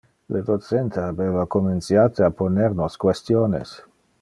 Le docente habeva comenciate a poner nos questiones.